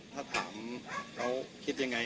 ถ้าถามเขาคิดยังไง